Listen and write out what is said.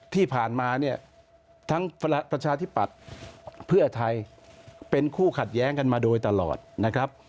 ที่ผ่านมาเนี่ยทั้งประชาธิปัตย์เพื่อไทยเป็นคู่ขัดแย้งกันมาโดยตลอดนะครับ